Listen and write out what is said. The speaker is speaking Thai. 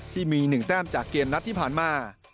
ที่มี๑แต้มจากเกมนัดที่ผ่านมา